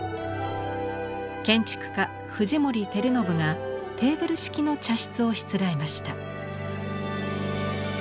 建築家藤森照信がテーブル式の茶室をしつらえました。